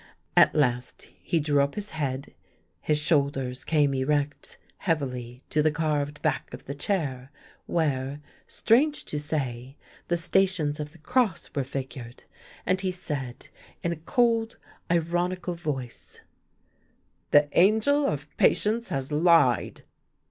At last he drew up his head, his shoulders came erect, heavily, to the carved back of the chair, where, strange to say, the Stations of the Cross were figured, and he said, in a cold, ironical voice :" The Angel of Patience has lied